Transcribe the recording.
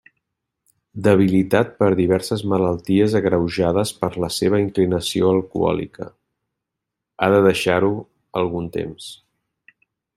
Debilitat per diverses malalties agreujades per la seva inclinació alcohòlica, ha de deixar-ho algun temps.